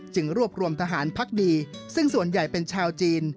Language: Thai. รวบรวมทหารพักดีซึ่งส่วนใหญ่เป็นชาวจีน